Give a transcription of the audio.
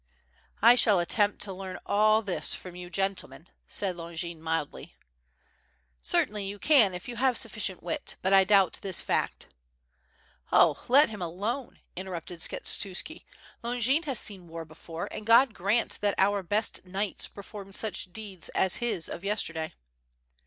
"I shall attempt to leam all this from you gentlemen," eaid Longin mildly. 719 720 WITH FIRE AND SWORD. "Certainly you can if you have sufficient wit, but I doubt this fact." "Oh, let him alone/' interrupted Skshetuski. "Longin has seen war before, and God grant that our best knights per form such deeds as his of yesterday."